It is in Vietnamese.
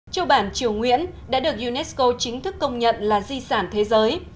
châu bản triều nguyễn đã được unesco chính thức công nhận là di sản thế giới